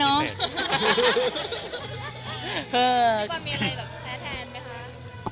พี่ปอนด์มีอะไรแบบแพ้แทนไหมคะ